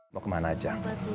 mau kemana aja